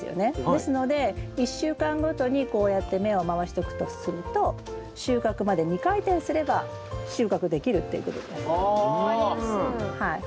ですので１週間ごとにこうやって面を回していくとすると収穫まで２回転すれば収穫できるっていうことです。